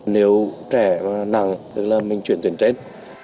nếu trẻ nặng thì mình chuyển tuyển trên